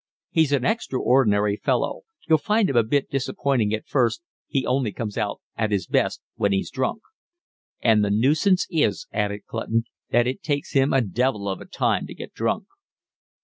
"He's an extraordinary fellow. You'll find him a bit disappointing at first, he only comes out at his best when he's drunk." "And the nuisance is," added Clutton, "that it takes him a devil of a time to get drunk."